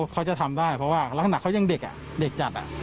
เขาจะทำได้เพราะว่าแล้วขนาดเขายังเด็กอ่ะเด็กจัดอ่ะ